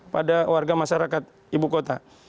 pada warga masyarakat ibu kota